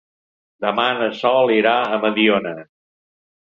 Demà na Sol irà a Mediona.